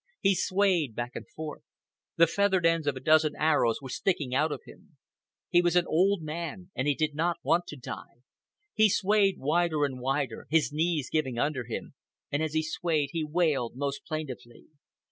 He swayed back and forth. The feathered ends of a dozen arrows were sticking out of him. He was an old man, and he did not want to die. He swayed wider and wider, his knees giving under him, and as he swayed he wailed most plaintively.